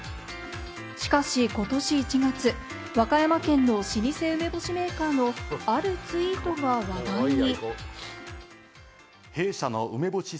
しかしことし１月、和歌山県の老舗梅干しメーカーの、あるツイートが話題に。